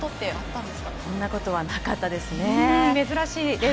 そんなことはなかったですね。